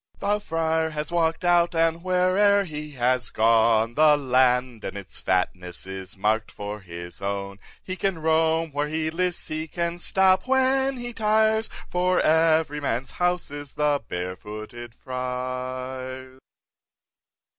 4. The Friar has walk'd out, and where'er he has gone, The land and its fatness is mark'd for his own; He can roam where he lists, he can stop when he tires, For every man's house is the Barefooted Friar's.